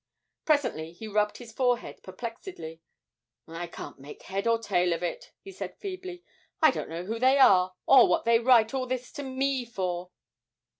Presently he rubbed his forehead perplexedly: 'I can't make head or tail of it,' he said feebly; 'I don't know who they are, or what they write all this to me for!'